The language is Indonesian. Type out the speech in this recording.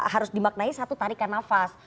harus dimaknai satu tarikan nafas